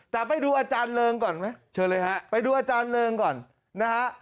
แต่ไปดูอาจารย์เริงก่อนไหมเชิญเลยฮะไปดูอาจารย์เริงก่อนนะฮะ